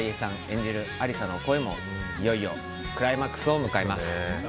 演じるアリサの恋もいよいよクライマックスを迎えます。